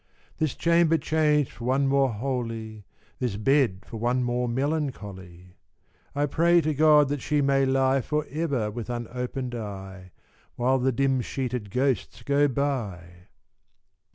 This chamber changed for one more holy, This bed for one more melancholy, I pray to God that she may lie Forever with unopened eye, While the pale sheeted ghosts go by.